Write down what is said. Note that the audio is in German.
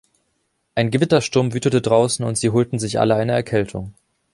Ein Gewittersturm wütete draußen und sie holten sich alle eine Erkältung.